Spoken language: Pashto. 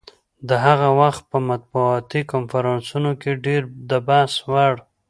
د هغه وخت په مطبوعاتي کنفرانسونو کې ډېر د بحث وړ.